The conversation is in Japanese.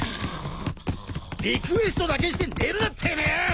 リクエストだけして寝るなてめえ！